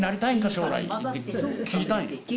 将来」って聞いたんよ